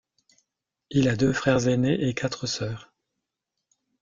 Il a deux frères aînés et quatre sœurs.